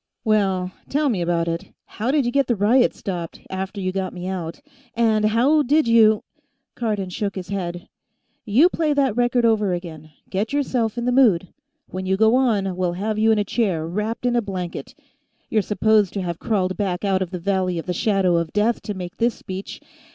"Well, tell me about it. How did you get the riot stopped, after you got me out? And how did you ?" Cardon shook his head. "You play that record over again; get yourself in the mood. When you go on, we'll have you in a chair, wrapped in a blanket ... you're supposed to have crawled back out of the Valley of the Shadow of Death to make this speech